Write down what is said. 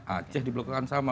aceh diperlakukan sama